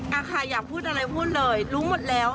ค่ะอยากพูดอะไรพูดเลยรู้หมดแล้ว